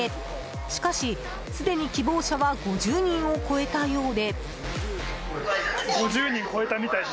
しかし、すでに希望者は５０人を超えたようで。